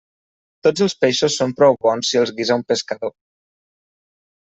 Tots els peixos són prou bons si els guisa un pescador.